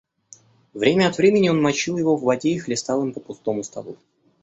Время от времени он мочил его в воде и хлестал им по пустому столу.